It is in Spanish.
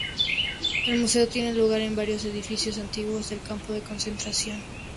El museo tiene lugar en varios edificios antiguos del campo de concentración.